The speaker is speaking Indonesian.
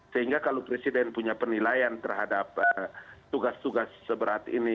sehingga kalau presiden punya penilaian terhadap tugas tugas seberat ini